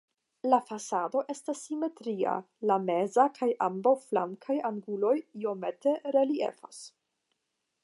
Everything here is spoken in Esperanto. La fasado estas simetria, la meza kaj ambaŭ flankaj anguloj iomete reliefas.